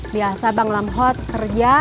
biasa bang lamhot kerja